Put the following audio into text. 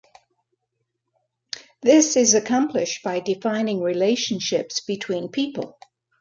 This is accomplished by defining relationships between people.